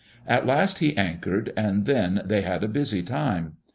At last he anchored, and then they had a busy time.